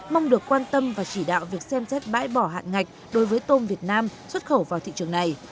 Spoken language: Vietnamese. mong được quan tâm và chỉ đạo việc xem xét bãi bỏ hạn ngạch đối với tôm việt nam xuất khẩu vào thị trường này